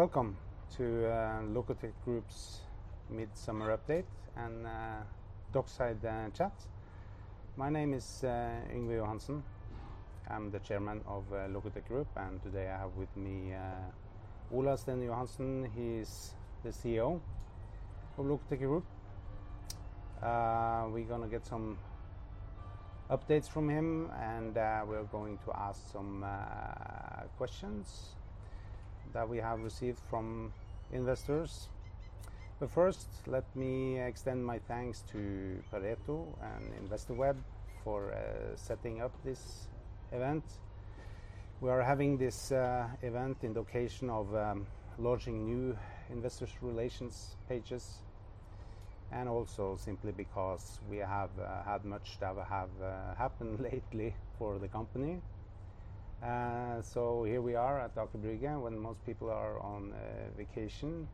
Welcome to Lokotech Group's midsummer update and dockside chat. My name is Yngve Johansen. I am the Chairman of Lokotech Group, and today I have with me Ola Stene-Johansen. He is the CEO of Lokotech Group. We're going to get some updates from him. We're going to ask some questions that we have received from investors. First, let me extend my thanks to Pareto Securities and Investorweb for setting up this event. We are having this event in location of launching new investors relations pages, also simply because we have had much that have happened lately for the company. Here we are at Aker Brygge when most people are on vacation,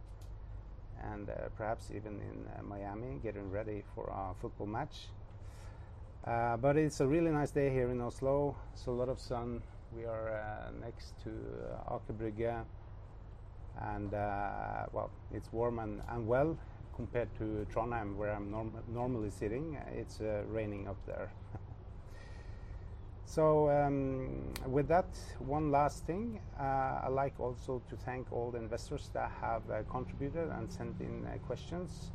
perhaps even in Miami, getting ready for our football match. It's a really nice day here in Oslo. There's a lot of sun. We are next to Aker Brygge, well, it's warm and well compared to Trondheim, where I'm normally sitting. It's raining up there. With that, one last thing. I'd like also to thank all the investors that have contributed and sent in questions.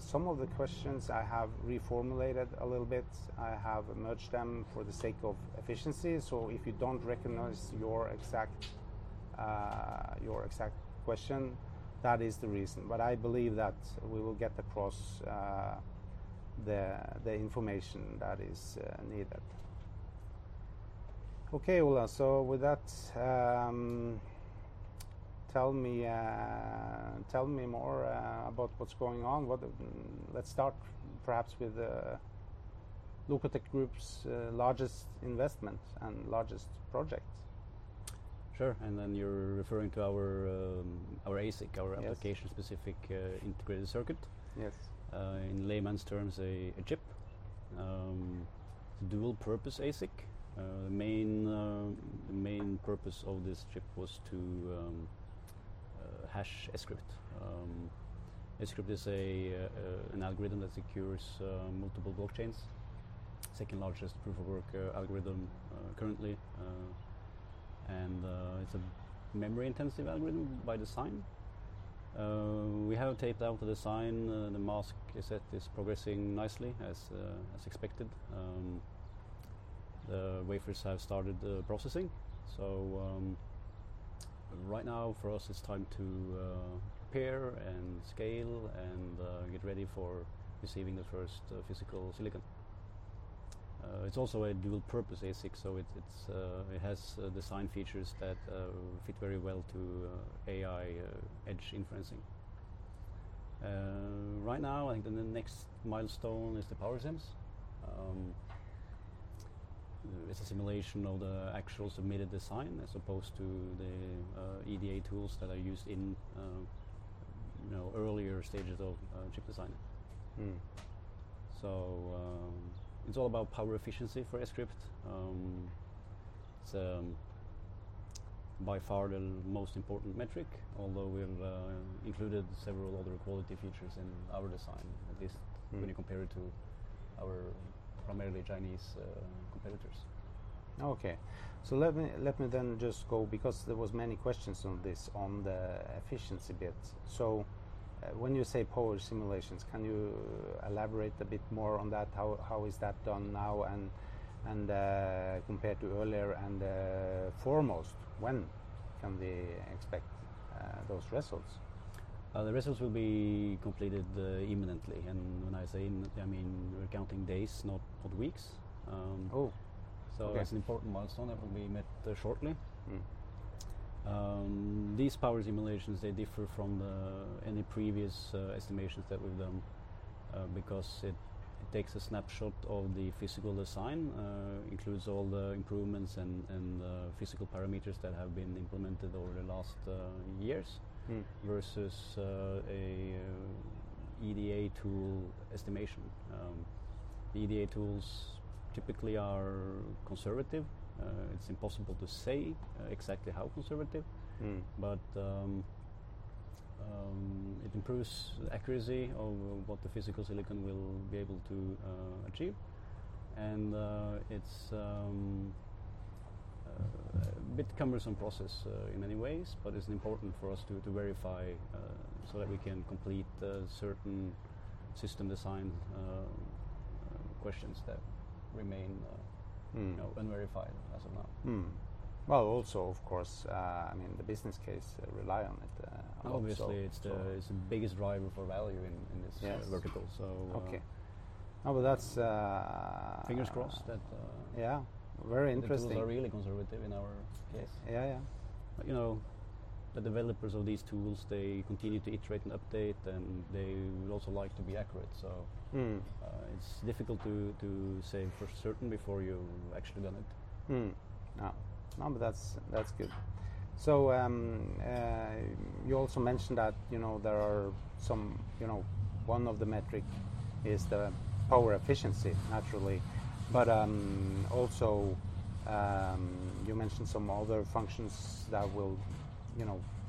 Some of the questions I have reformulated a little bit. I have merged them for the sake of efficiency, so if you don't recognize your exact question, that is the reason. I believe that we will get across the information that is needed. Okay, Ola. With that, tell me more about what's going on. Let's start perhaps with Lokotech Group's largest investment and largest project. Sure. You're referring to our ASIC- Yes our application-specific integrated circuit. Yes. In layman's terms, a chip. It's a dual-purpose ASIC. The main purpose of this chip was to hash Scrypt. Scrypt is an algorithm that secures multiple blockchains. Second-largest proof-of-work algorithm currently, it's a memory-intensive algorithm by design. We have tapped out the design. The mask set is progressing nicely, as expected. The wafers have started processing, so right now for us, it's time to prepare and scale and get ready for receiving the first physical silicon. It's also a dual-purpose ASIC, so it has design features that fit very well to AI edge inferencing. Right now, I think the next milestone is the power simulations. It's a simulation of the actual submitted design as opposed to the EDA tools that are used in earlier stages of chip design. It's all about power efficiency for Scrypt. It's by far the most important metric, although we've included several other quality features in our design, at least. When you compare it to our primarily Chinese competitors. Okay. Let me then just go because there was many questions on this, on the efficiency bit. When you say power simulations, can you elaborate a bit more on that? How is that done now and compared to earlier? Foremost, when can we expect those results? The results will be completed imminently, and when I say imminently, I mean we're counting days, not weeks. Oh, okay. That's an important milestone that will be met shortly. These power simulations, they differ from any previous estimations that we've done because it takes a snapshot of the physical design, includes all the improvements and the physical parameters that have been implemented over the last years. Versus a EDA tool estimation. EDA tools typically are conservative. It's impossible to say exactly how conservative. It improves the accuracy of what the physical silicon will be able to achieve, and it's a bit cumbersome process in many ways, but it's important for us to verify so that we can complete certain system design questions that remain- unverified as of now. Well, also of course, the business case rely on it also. Obviously, it's the biggest driver for value in. Yes vertical, so. Okay. No, but. Fingers crossed. Yeah. Very interesting The tools are really conservative in our case. Yeah, yeah. The developers of these tools, they continue to iterate and update, and they would also like to be accurate. It's difficult to say for certain before you've actually done it. No. That's good. You also mentioned that one of the metrics is the power efficiency, naturally. Also, you mentioned some other functions that will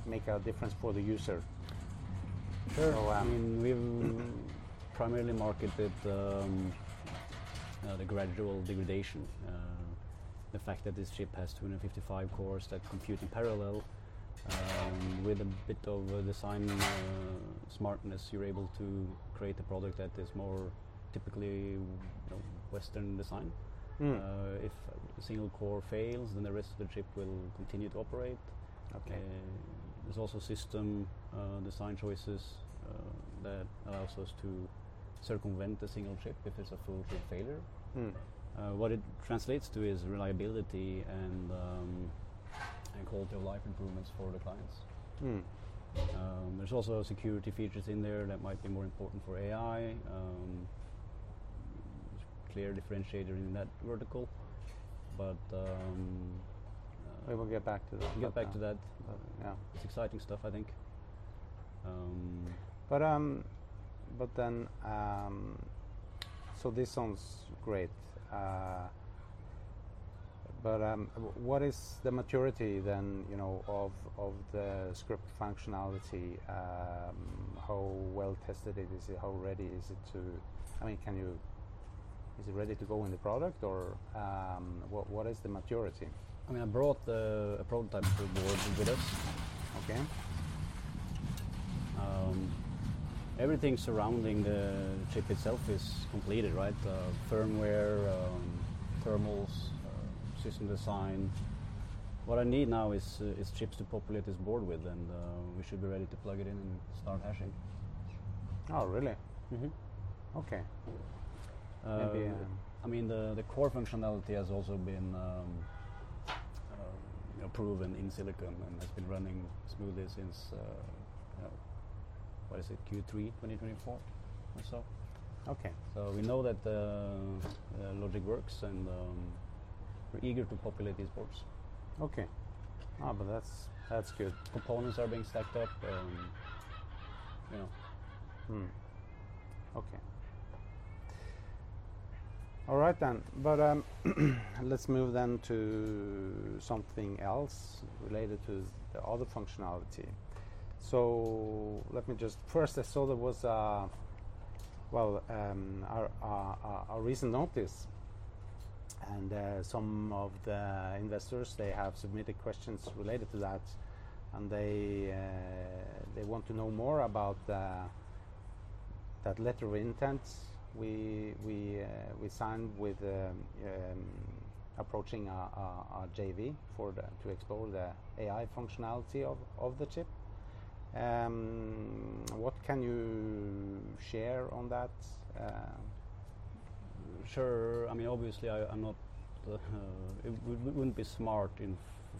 make a difference for the user. Sure. We've primarily marketed the graceful degradation, the fact that this chip has 255 cores that compute in parallel. With a bit of design smartness, you're able to create a product that is more typically Western design. If a single core fails, the rest of the chip will continue to operate. Okay. There's also system design choices that allows us to circumvent a single chip if it's a full chip failure. What it translates to is reliability and quality-of-life improvements for the clients. There's also security features in there that might be more important for AI. It's a clear differentiator in that vertical. We will get back to that. we'll get back to that. Yeah. It's exciting stuff, I think. This sounds great. What is the maturity then of the Scrypt functionality? How well tested is it? How ready is it? Is it ready to go in the product, or what is the maturity? I brought a prototype board with us. Okay. Everything surrounding the chip itself is completed, right? The firmware, thermals, system design. What I need now is chips to populate this board with, and we should be ready to plug it in and start hashing. Oh, really? Okay. Maybe. The core functionality has also been proven in silicon and has been running smoothly since, what is it? Q3 2024 or so. Okay. We know that the logic works, and we're eager to populate these boards. Okay. That's good. Components are being stacked up. Okay. All right then. Let's move then to something else related to the other functionality. Let me just first, I saw there was our recent notice, and some of the investors, they have submitted questions related to that, and they want to know more about that letter of intent we signed with Aprochip our JV to explore the AI functionality of the chip. What can you share on that? Sure. Obviously, it wouldn't be smart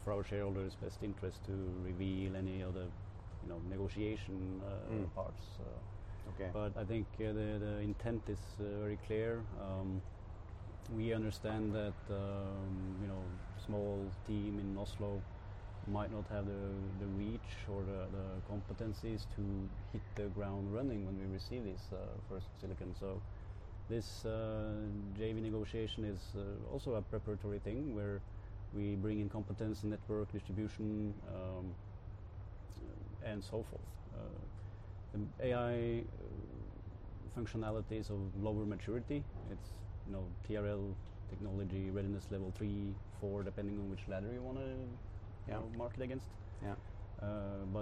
for our shareholders' best interest to reveal any of the negotiation parts. Okay. I think the intent is very clear. We understand that small team in Oslo might not have the reach or the competencies to hit the ground running when we receive this first silicon. This JV negotiation is also a preparatory thing where we bring in competence, network distribution, and so forth. The AI functionalities of lower maturity, it's TRL, technology readiness level 3, 4, depending on which ladder you want to market against. Yeah.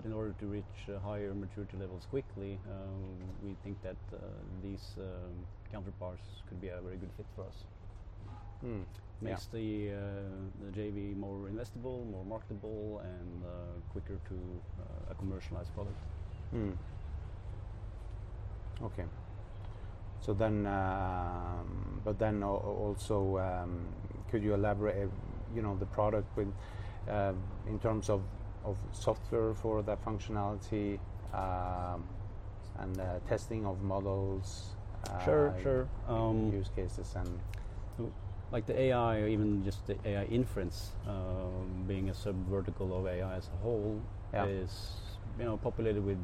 In order to reach higher maturity levels quickly, we think that these counterparts could be a very good fit for us. Yeah. Makes the JV more investable, more marketable, and quicker to a commercialized product. Okay. Also, could you elaborate the product in terms of software for that functionality, and testing of models. Sure Use cases. The AI or even just the AI inference being a sub-vertical of AI as a whole. Yeah is populated with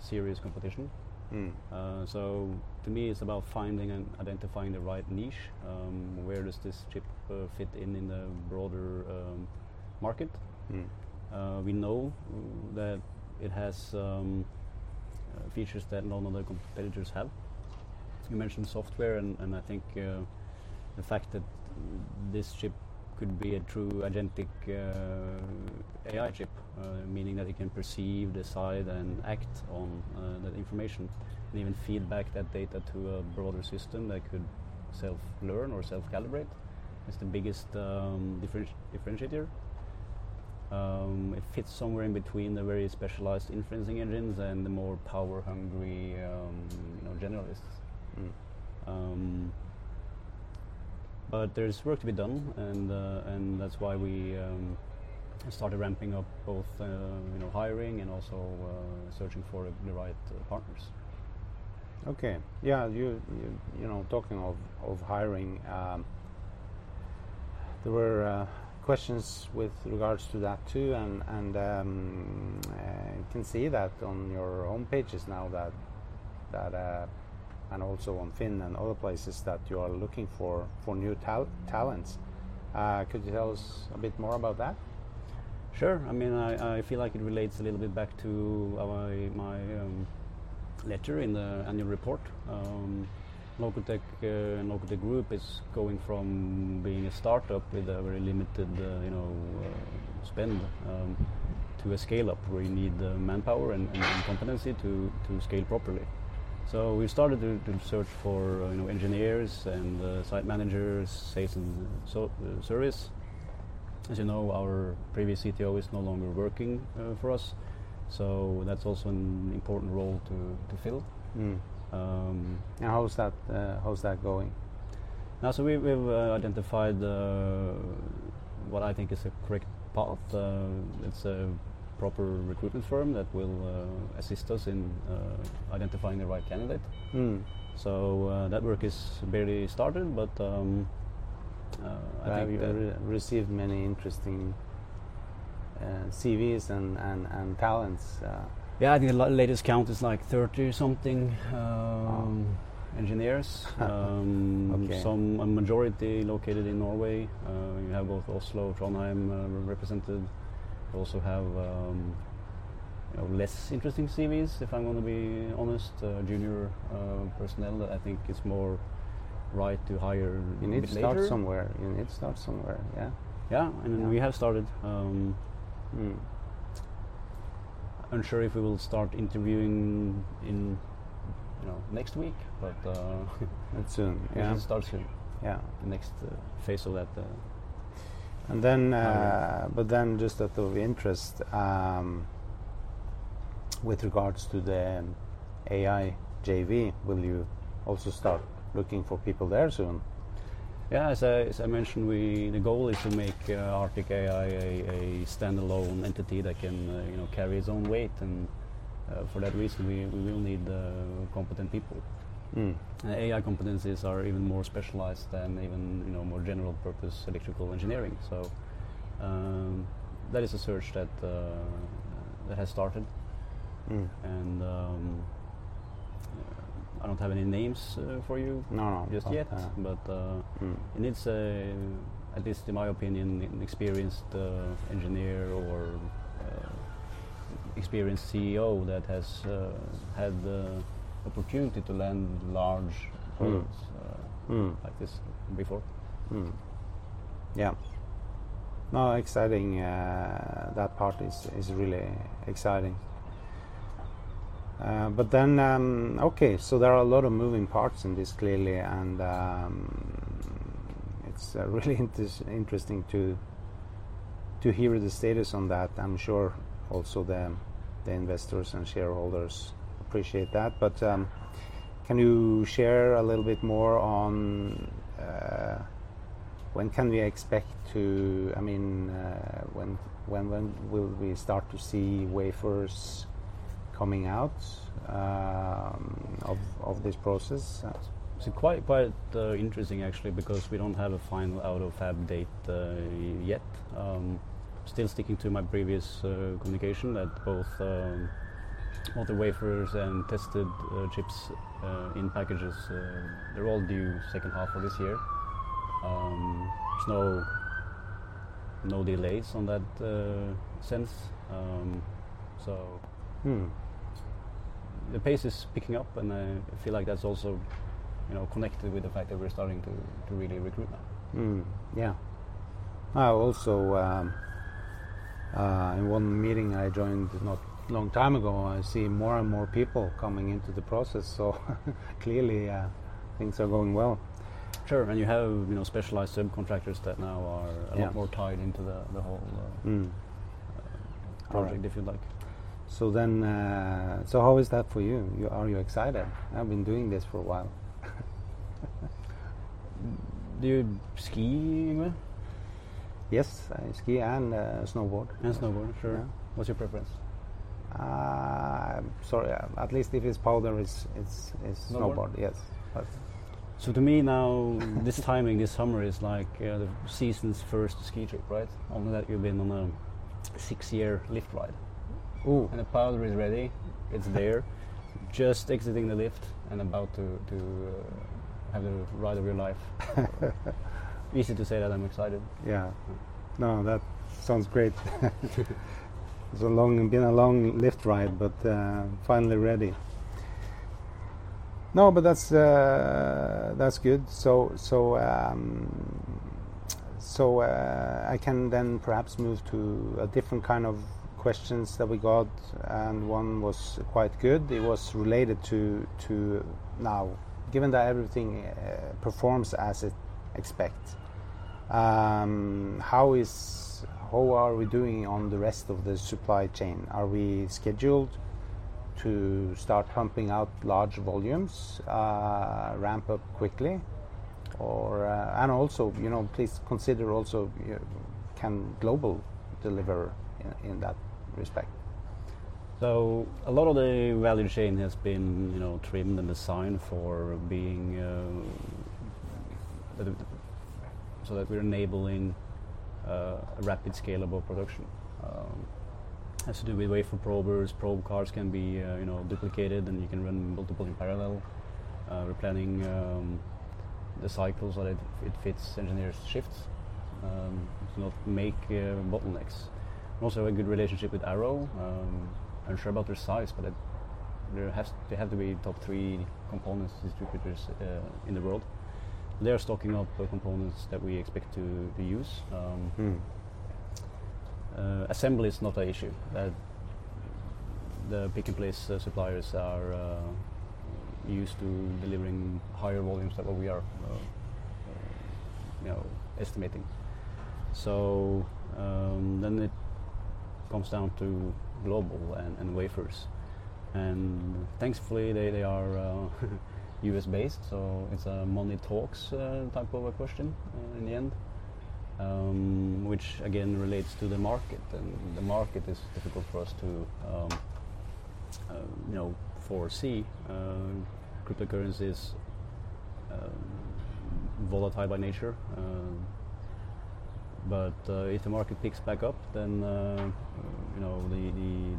serious competition. To me, it's about finding and identifying the right niche. Where does this chip fit in in the broader market? We know that it has features that none of the competitors have. You mentioned software, and I think the fact that this chip could be a true agentic AI chip, meaning that it can perceive, decide, and act on that information, and even feed back that data to a broader system that could self-learn or self-calibrate, is the biggest differentiator. It fits somewhere in between the very specialized inferencing engines and the more power-hungry generalists. There's work to be done, and that's why we started ramping up both hiring and also searching for the right partners. Okay. Yeah, talking of hiring There were questions with regards to that too, and you can see that on your own pages now and also on FINN.no and other places that you are looking for new talents. Could you tell us a bit more about that? Sure. I feel like it relates a little bit back to my letter in the annual report. Lokotech and Lokotech Group is going from being a startup with a very limited spend to a scale-up where you need the manpower and competency to scale properly. We started to search for engineers and site managers, sales and service. As you know, our previous CTO is no longer working for us, so that's also an important role to fill. How is that going? We've identified what I think is a correct path. It's a proper recruitment firm that will assist us in identifying the right candidate. That work is barely started. But- I think we've received many interesting CVs and talents. Yeah, I think the latest count is like 30. Wow engineers. Okay. Some, a majority, located in Norway. You have both Oslo, Trondheim represented. We also have less interesting CVs, if I'm going to be honest. Junior personnel that I think it's more right to hire a bit later. You need to start somewhere. Yeah. Yeah. We have started. Unsure if we will start interviewing next week. That's soon. Yeah It starts soon. Yeah. The next phase of that hiring. Just out of interest, with regards to the AI JV, will you also start looking for people there soon? Yeah, as I mentioned, the goal is to make Arctic AI a standalone entity that can carry its own weight, for that reason, we will need competent people. AI competencies are even more specialized than even more general-purpose electrical engineering. That is a search that has started. I don't have any names for you. No Just yet. It needs, at least in my opinion, an experienced engineer or experienced CEO that has had the opportunity to land large projects. like this before. Mm. Yeah. No, exciting. That part is really exciting. Okay, there are a lot of moving parts in this, clearly, and it is really interesting to hear the status on that. I am sure also the investors and shareholders appreciate that. Can you share a little bit more on when will we start to see wafers coming out of this process? It is quite interesting, actually, because we do not have a final out-of-fab date yet. Still sticking to my previous communication that both the wafers and tested chips in packages, they are all due second half of this year. There is no delays on that sense. the pace is picking up, and I feel like that is also connected with the fact that we are starting to really recruit now. Mm. Yeah. In one meeting I joined not long time ago, I see more and more people coming into the process, clearly, things are going well. Sure. You have specialized subcontractors that now are a lot- Yeah more tied into the whole- project, if you like. How is that for you? Are you excited? I've been doing this for a while. Do you ski, Yngve? Yes. I ski and snowboard. Snowboard. Sure. Yeah. What's your preference? Sorry. At least if it's powder, it's snowboard. Snowboard? Yes. To me now, this timing, this summer is like the season's first ski trip, right? Only that you've been on a six-year lift ride. Ooh. The powder is ready. It's there. Just exiting the lift and about to have the ride of your life. Easy to say that I'm excited. Yeah. No, that sounds great. It's been a long lift ride, but finally ready. No, but that's good. I can then perhaps move to a different kind of questions that we got. One was quite good. It was related to now. Given that everything performs as expected, how are we doing on the rest of the supply chain? Are we scheduled to start pumping out large volumes, ramp up quickly? Please consider also can GlobalFoundries deliver in that respect? A lot of the value chain has been trimmed and designed so that we're enabling a rapid scalable production. Has to do with wafer probers, probe cards can be duplicated, and you can run multiple in parallel. We're planning the cycles so that it fits engineers' shifts to not make bottlenecks. We also have a good relationship with Arrow. Unsure about their size, but they have to be top 3 components distributors in the world. They are stocking up components that we expect to use. Assembly is not a issue. The pick-and-place suppliers are used to delivering higher volumes than what we are estimating. It comes down to GlobalFoundries and wafers. Thankfully, they are U.S.-based, so it's a money talks type of a question in the end. Which again, relates to the market. The market is difficult for us to foresee. Cryptocurrency is volatile by nature. If the market picks back up, then the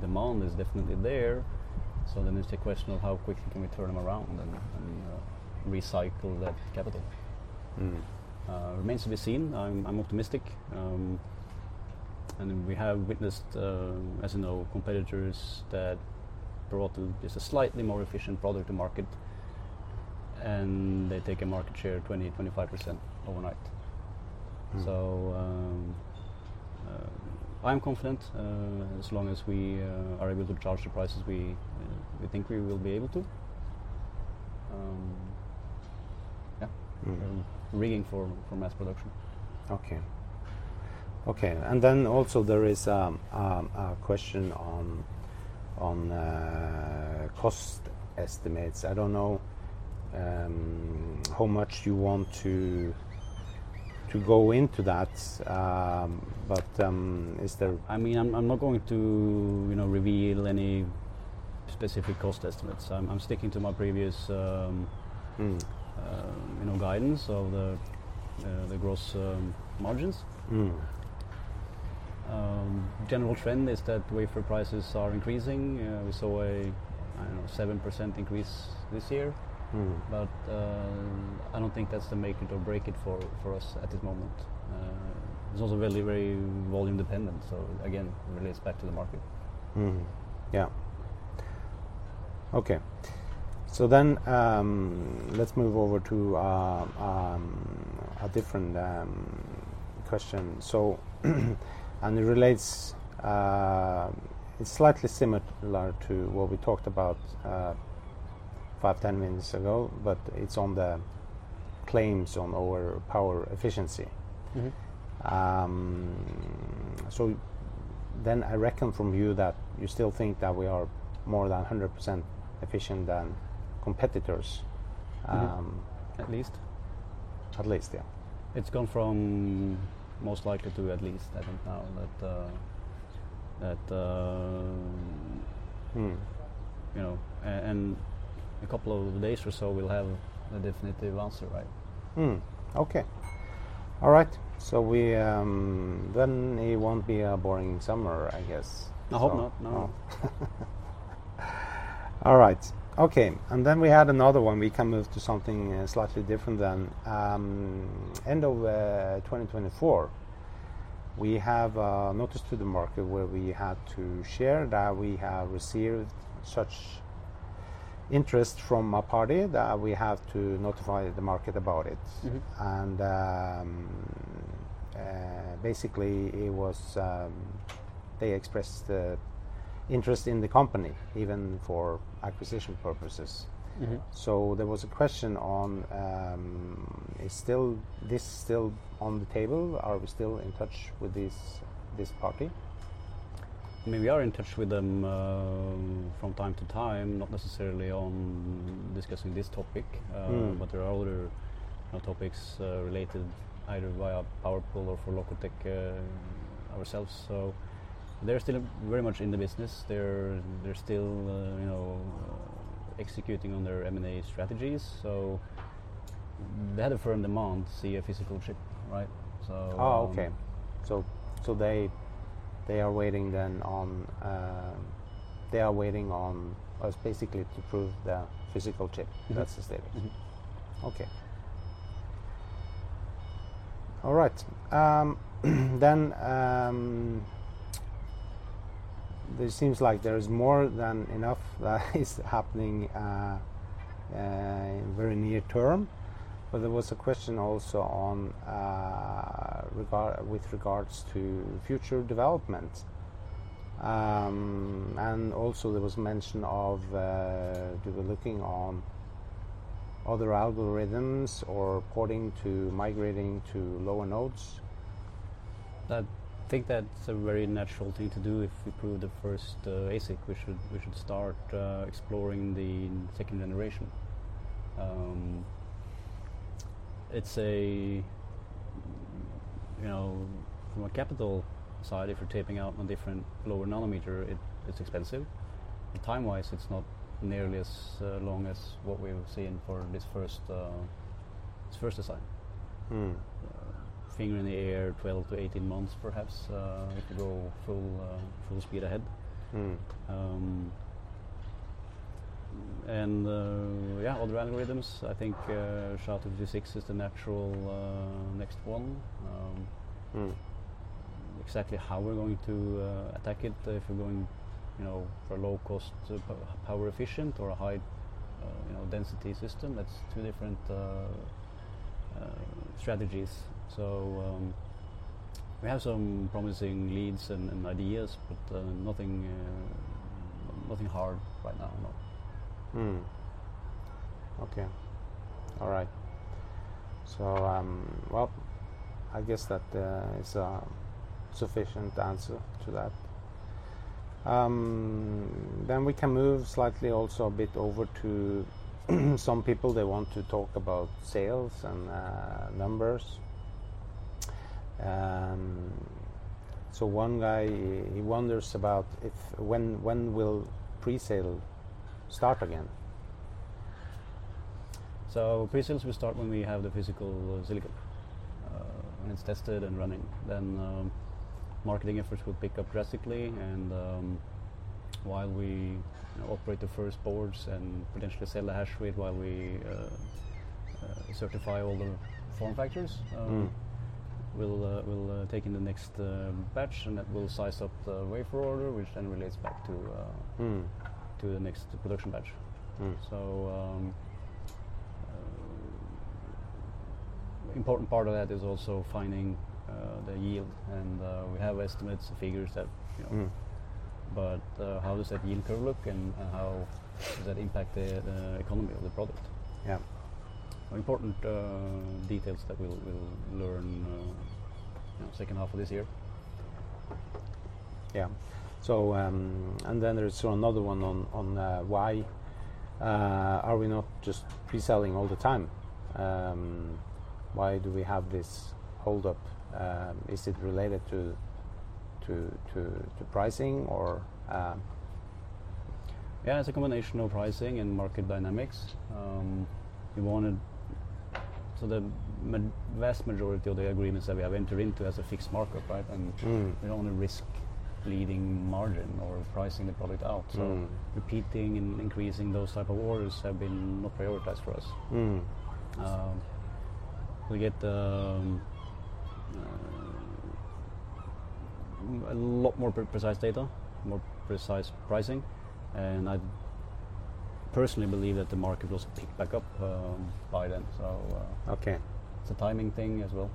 demand is definitely there. It's a question of how quickly can we turn them around and recycle that capital. Remains to be seen. I'm optimistic. We have witnessed, as you know, competitors that brought just a slightly more efficient product to market, and they take a market share of 20%-25% overnight. I'm confident as long as we are able to charge the prices we think we will be able to. Yeah. We're rigging for mass production. Okay. There is a question on cost estimates. I don't know how much you want to go into that. I'm not going to reveal any specific cost estimates. guidance of the gross margins. General trend is that wafer prices are increasing. We saw a, I don't know, 7% increase this year. I don't think that's the make it or break it for us at this moment. It's also very volume dependent, so again, relates back to the market. Mm-hmm. Yeah. Okay. Let's move over to a different question. It's slightly similar to what we talked about five, 10 minutes ago, but it's on the claims on our power efficiency. I reckon from you that you still think that we are more than 100% efficient than competitors. Mm-hmm. At least at least, yeah. It's gone from most likely to at least, I think now. That. in a couple of days or so, we'll have a definitive answer, right? Okay. All right. it won't be a boring summer, I guess. I hope not, no. All right. Okay. we had another one. We can move to something slightly different then. End of 2024, we have a notice to the market where we had to share that we have received such interest from a party that we have to notify the market about it. Basically, they expressed interest in the company even for acquisition purposes. There was a question on, is this still on the table? Are we still in touch with this party? We are in touch with them from time to time, not necessarily on discussing this topic- There are other topics related either via PowerPool or for Lokotech ourselves. They're still very much in the business. They're still executing on their M&A strategies. They had a firm demand to see a physical chip, right? So- They are waiting on us basically to prove the physical chip. That's the status. It seems like there is more than enough that is happening very near term. There was a question also with regards to future development. There was mention of, they were looking on other algorithms or according to migrating to lower nodes. I think that's a very natural thing to do. If we prove the first ASIC, we should start exploring the second generation. From a capital side, if you're taping out on different lower nanometer, it's expensive. Timewise, it's not nearly as long as what we've seen for this first design. Finger in the air, 12-18 months perhaps, it could go full speed ahead. Yeah, other algorithms, I think SHA-256 is the natural next one. Exactly how we're going to attack it, if we're going for low cost, power efficient or a high-density system, that's two different strategies. We have some promising leads and ideas, but nothing hard right now, no. Mm. Okay. All right. Well, I guess that is a sufficient answer to that. We can move slightly also a bit over to some people, they want to talk about sales and numbers. One guy, he wonders about when will presale start again? presales will start when we have the physical silicon. When it's tested and running, then marketing efforts will pick up drastically and while we operate the first boards and potentially sell the hash rate while we certify all the form factors- we'll take in the next batch, and that will size up the wafer order, which then relates back to- the next production batch. important part of that is also finding the yield, and we have estimates, figures that- How does that yield curve look and how does that impact the economy of the product? Yeah. Important details that we'll learn second half of this year. Yeah. There is another one on why are we not just pre-selling all the time? Why do we have this hold up? Is it related to pricing or? Yeah, it's a combination of pricing and market dynamics. The vast majority of the agreements that we have entered into has a fixed markup, right? We don't want to risk bleeding margin or pricing the product out. Repeating and increasing those type of orders have been not prioritized for us. We get a lot more precise data, more precise pricing, and I personally believe that the market will pick back up by then. Okay. It's a timing thing as well.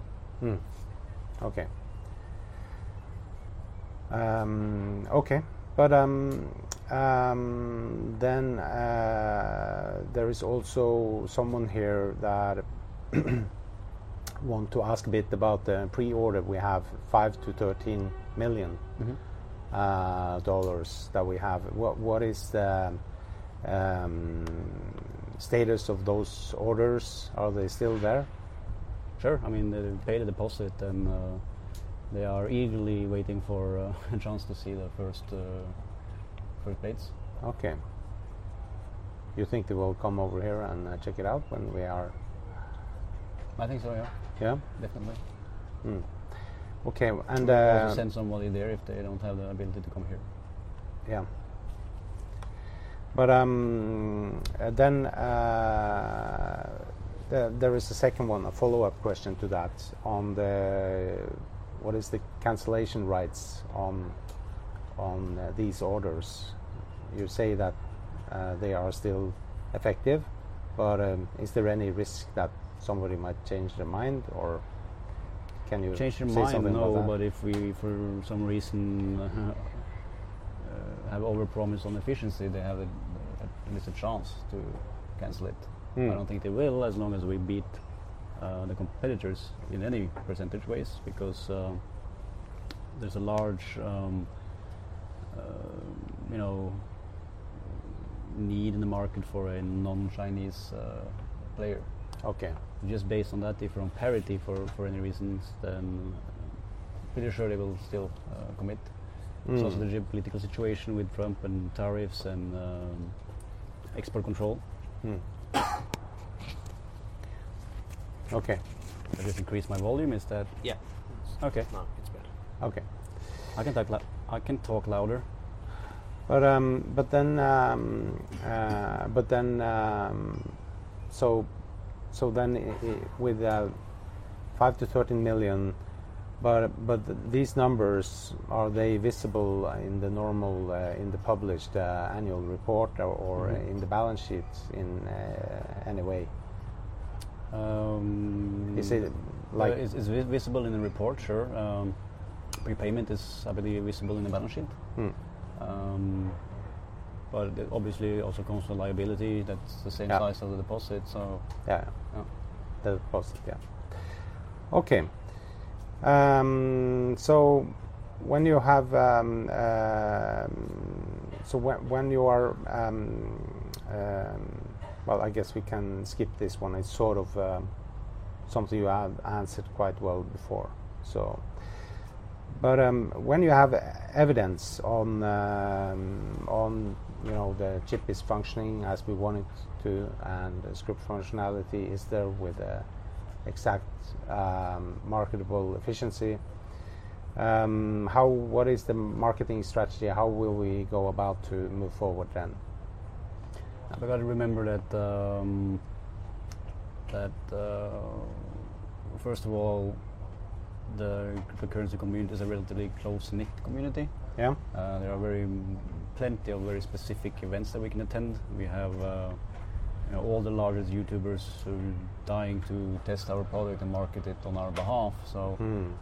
Okay. There is also someone here that want to ask a bit about the pre-order. We have $5 million-$13 million. that we have. What is the status of those orders? Are they still there? Sure. They paid a deposit and they are eagerly waiting for a chance to see the first plates. Okay. You think they will come over here and check it out when we are? I think so, yeah. Yeah? Definitely. Okay. We can send somebody there if they don't have the ability to come here. There is a second one, a follow-up question to that, on what is the cancellation rights on these orders? You say that they are still effective, but is there any risk that somebody might change their mind, or can you say something about that? Change their mind, no, but if we, for some reason, have overpromised on efficiency, they have at least a chance to cancel it. I don't think they will, as long as we beat the competitors in any percentage ways because there's a large need in the market for a non-Chinese player. Okay. Just based on that, if we're on parity for any reasons, then pretty sure they will still commit. There's also the geopolitical situation with Trump and tariffs and export control. Okay. Did I just increase my volume? Is that? Yeah. Okay. It's not. It's better. Okay. I can talk louder. With the 5 million-13 million, these numbers, are they visible in the published annual report or in the balance sheets in any way? It's visible in the report, sure. Prepayment is, I believe, visible in the balance sheet. Obviously also comes from liability, that's the same size as the deposit. Yeah. The deposit, yeah. Okay. Well, I guess we can skip this one. It's sort of something you have answered quite well before. When you have evidence on the chip is functioning as we want it to, and the Scrypt functionality is there with the exact marketable efficiency, what is the marketing strategy? How will we go about to move forward then? You've got to remember that first of all, the cryptocurrency community is a relatively close-knit community. Yeah. There are plenty of very specific events that we can attend. We have all the largest YouTubers who are dying to test our product and market it on our behalf.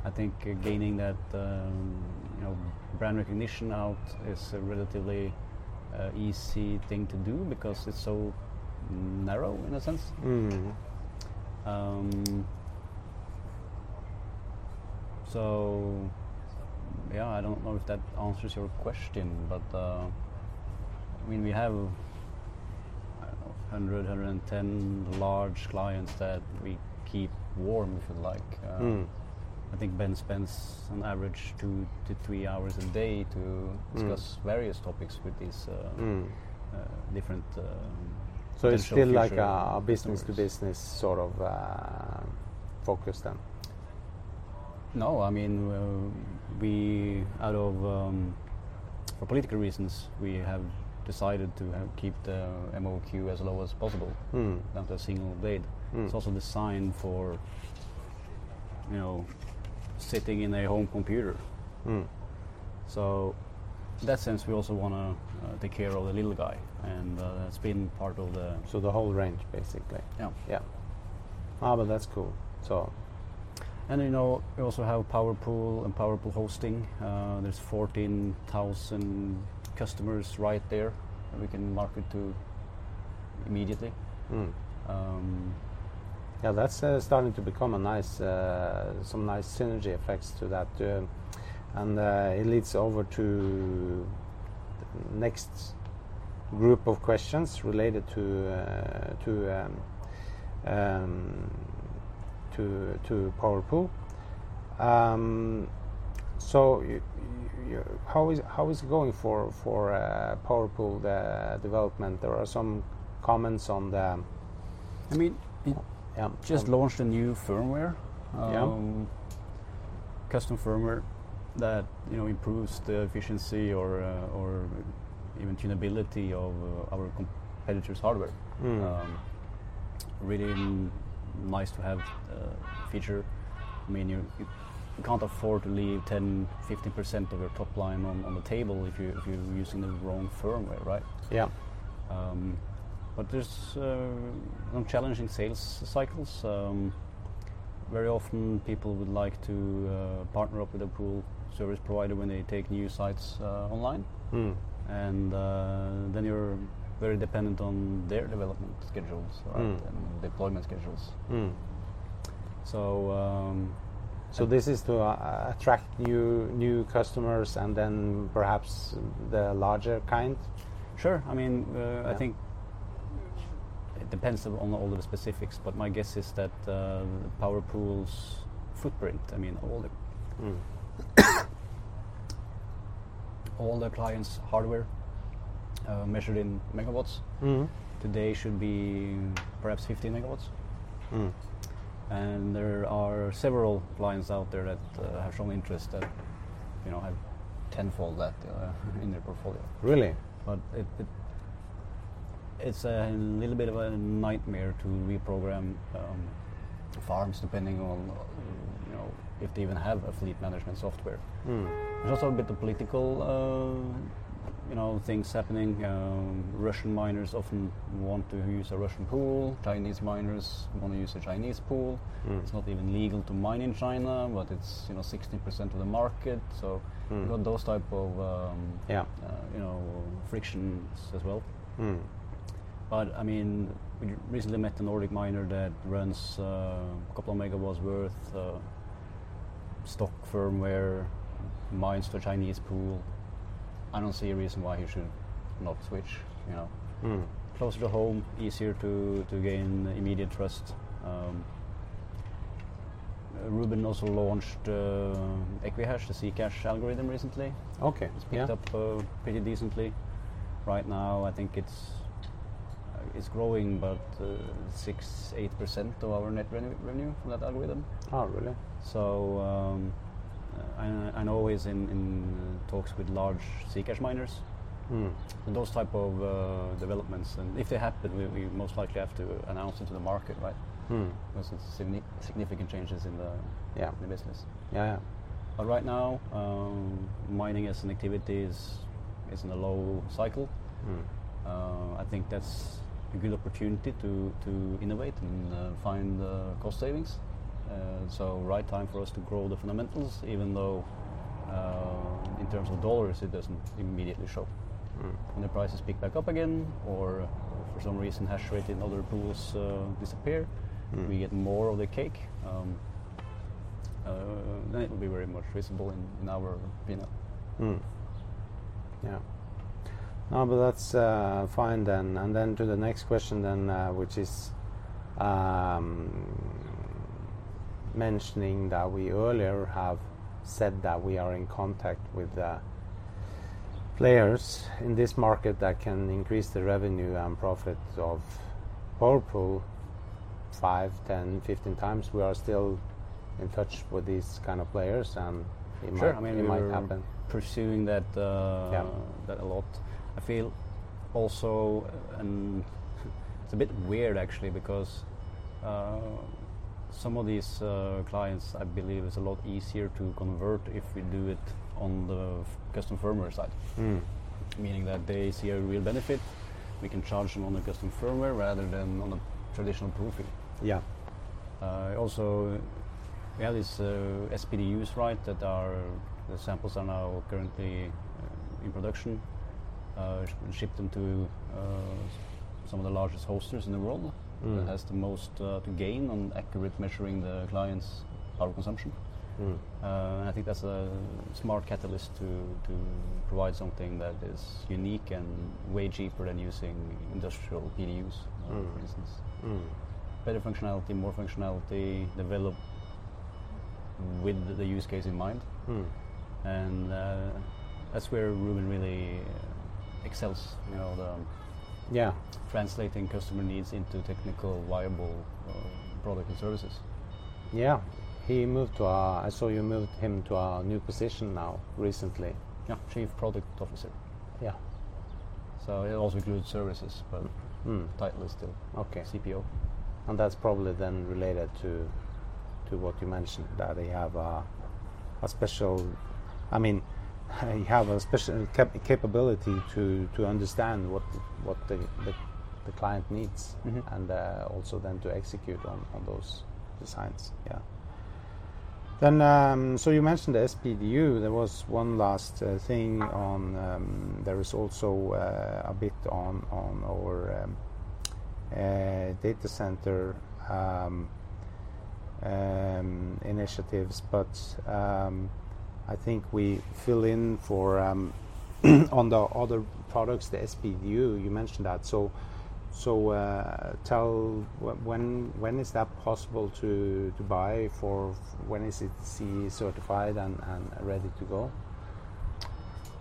I think gaining that brand recognition now is a relatively easy thing to do because it's so narrow in a sense. Yeah, I don't know if that answers your question, but we have, I don't know, 100, 110 large clients that we keep warm, if you like. I think Ben spends on average two to three hours a day to discuss various topics with these different potential future customers. It's still like a business-to-business sort of focus then? No. For political reasons, we have decided to keep the MOQ as low as possible. Down to a single blade. It's also designed for sitting in a home computer. In that sense, we also want to take care of the little guy, and that's been part of the. The whole range basically. Yeah. Yeah. That's cool. We also have PowerPool and PowerPool hosting. There is 14,000 customers right there that we can market to immediately. Mm. Yeah, that's starting to become some nice synergy effects to that. It leads over to the next group of questions related to PowerPool. How is it going for PowerPool, the development? There are some comments on. It- Yeah We just launched a new firmware. Yeah. It is custom firmware that improves the efficiency or even tunability of our competitor's hardware. Really nice to have feature. You can't afford to leave 10%-15% of your top line on the table if you're using the wrong firmware, right? Yeah. There's challenging sales cycles. Very often people would like to partner up with a pool service provider when they take new sites online. You're very dependent on their development schedules. Deployment schedules. So- This is to attract new customers and then perhaps the larger kind? Sure. I think it depends on all of the specifics, but my guess is that PowerPool's footprint, all the. All the clients' hardware measured in megawatts. Today should be perhaps 50 MW. There are several clients out there that have shown interest that have tenfold that in their portfolio. Really? It's a little bit of a nightmare to reprogram farms depending on if they even have a fleet management software. There's also a bit of political things happening. Russian miners often want to use a Russian pool. Chinese miners want to use a Chinese pool. It's not even legal to mine in China, but it's 60% of the market. You've got those type of. Yeah Frictions as well. We recently met a Nordic miner that runs a couple of megawatts worth stock firmware, mines to a Chinese pool. I don't see a reason why he should not switch. Closer to home, easier to gain immediate trust. Ruben also launched Equihash, the Zcash algorithm recently. Okay. Yeah. It's picked up pretty decently. Right now, I think it's growing, but 6%-8% of our net revenue from that algorithm. Oh, really? I know he's in talks with large Zcash miners. Those type of developments. If they happen, we most likely have to announce it to the market, right? Because it's significant changes in the. Yeah The business. Yeah. Right now, mining as an activity is in a low cycle. I think that's a good opportunity to innovate and find cost savings. Right time for us to grow the fundamentals, even though in terms of NOK it doesn't immediately show. When the prices pick back up again, or for some reason hash rate in other pools disappear, we get more of the cake. It will be very much reasonable in our opinion. Yeah. That's fine then. To the next question then, which is mentioning that we earlier have said that we are in contact with the players in this market that can increase the revenue and profit of PowerPool 5, 10, 15 times. We are still in touch with these kinds of players. Sure It might happen. We're pursuing. Yeah that a lot. I feel also, it's a bit weird actually because some of these clients, I believe, is a lot easier to convert if we do it on the custom firmware side. Meaning that they see a real benefit. We can charge them on a custom firmware rather than on a traditional PowerPool. Yeah. Also, we have these SPDUs, right? That our samples are now currently in production. Shipped them to some of the largest hosters in the world. That has the most to gain on accurate measuring the client's power consumption. I think that's a smart catalyst to provide something that is unique and way cheaper than using industrial PDUs. For instance. Better functionality, more functionality, developed with the use case in mind. That's where Ruben really excels. Yeah Translating customer needs into technical viable product and services. Yeah. I saw you moved him to our new position now recently. Yeah. Chief Product Officer. Yeah. It also includes services. title is still. Okay CPO. That's probably then related to what you mentioned, that they have a special capability to understand what the client needs. Also then to execute on those designs. Yeah. You mentioned the SPDU. There was one last thing on There is also a bit on our data center initiatives, but I think we fill in for on the other products, the SPDU, you mentioned that. Tell when is that possible to buy for When is it CE certified and ready to go?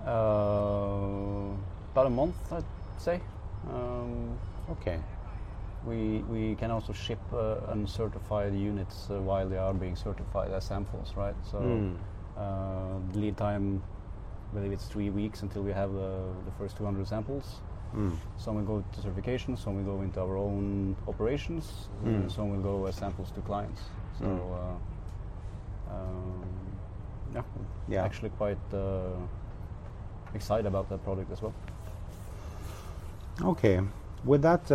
About a month, I'd say. Okay. We can also ship uncertified units while they are being certified as samples, right? Lead time, believe it's three weeks until we have the first 200 samples. Some will go to certification; some will go into our own operations. Some will go as samples to clients, so. yeah. Yeah. Actually quite excited about that product as well. Okay. With that,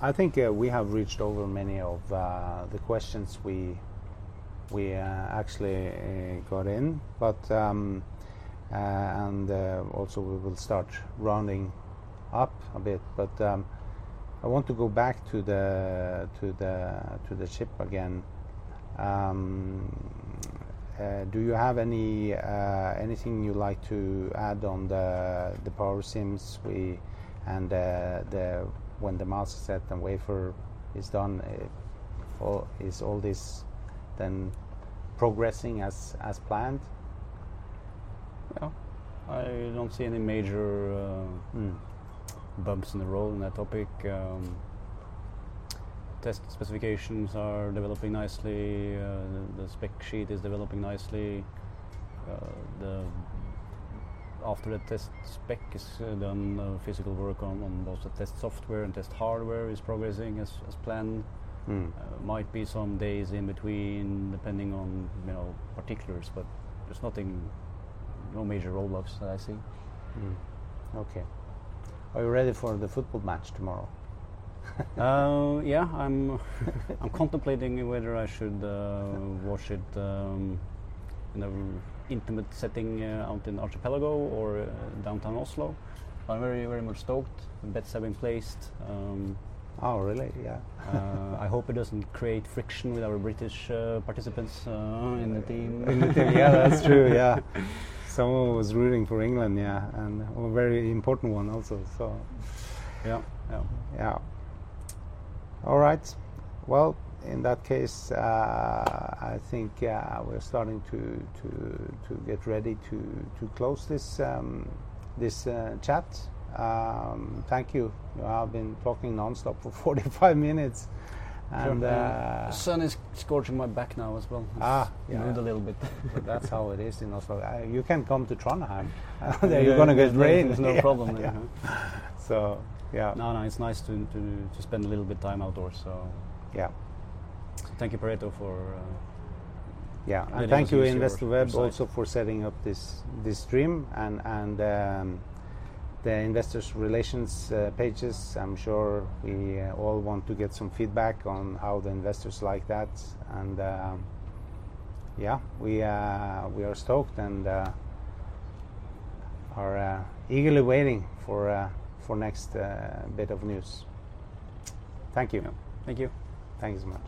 I think we have reached over many of the questions we actually got in. Also we will start rounding up a bit. I want to go back to the chip again. Do you have anything you'd like to add on the power SIMs? When the mask set and wafer is done, is all this then progressing as planned? Yeah. I don't see any. bumps in the road on that topic. Test specifications are developing nicely. The spec sheet is developing nicely. After the test spec is done, the physical work on most of the test software and test hardware is progressing as planned. Might be some days in between, depending on particulars, but there's nothing, no major roadblocks that I see. Okay. Are you ready for the football match tomorrow? Yeah. I'm contemplating whether I should watch it in an intimate setting out in Archipelago or downtown Oslo. I'm very much stoked. Bets have been placed. Oh, really? Yeah. I hope it doesn't create friction with our British participants in the team. In the team. Yeah, that's true. Yeah. Someone was rooting for England, yeah. A very important one also. Yeah. Yeah. All right. Well, in that case, I think we're starting to get ready to close this chat. Thank you. You have been talking nonstop for 45 minutes. The sun is scorching my back now as well. Yeah. I moved a little bit. That's how it is in Oslo. You can come to Trondheim. There you're gonna get rain. There's no problem there. Yeah. No, it's nice to spend a little bit time outdoors. Yeah. Thank you, Pareto. Thank you Investorweb also for setting up this stream and the investors relations pages. I'm sure we all want to get some feedback on how the investors like that. We are stoked and are eagerly waiting for next bit of news. Thank you. Thank you. Thanks so much